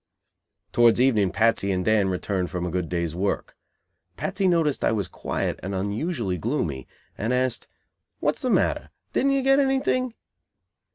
Towards evening Patsy and Dan returned from a good day's work. Patsy noticed I was quiet and unusually gloomy, and asked: "What's the matter? Didn't you get anything?"